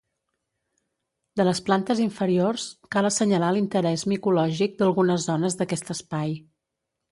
De les plantes inferiors, cal assenyalar l'interès micològic d'algunes zones d'aquest espai.